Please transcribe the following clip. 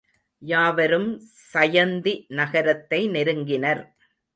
யாவரும் சயந்தி நகரத்தை நெருங்கினர்.